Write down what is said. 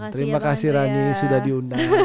terima kasih rani sudah diundang